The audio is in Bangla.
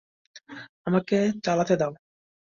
আমাকে চালাতে দাও!